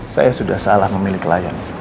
saya sudah salah memilih klien